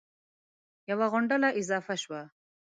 یوه غونډله اضافه شوه